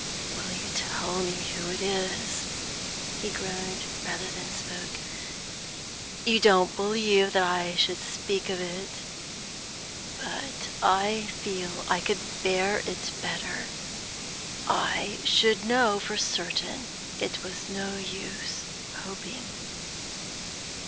'Will you tell me who it is?' he groaned rather than spoke. 'You don't believe that I should speak of it? But I feel I could bear it better; I should know for certain it was no use hoping.'